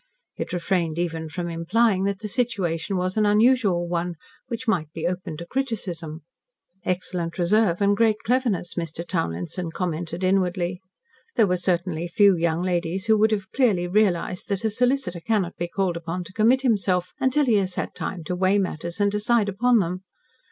It refrained even from implying that the situation was an unusual one, which might be open to criticism. Excellent reserve and great cleverness, Mr. Townlinson commented inwardly. There were certainly few young ladies who would have clearly realised that a solicitor cannot be called upon to commit himself, until he has had time to weigh matters and decide upon them.